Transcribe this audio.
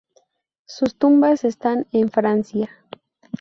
Sus tumbas están en Francia.